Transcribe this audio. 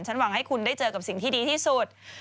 หวังให้คุณได้เจอกับสิ่งที่ดีที่สุด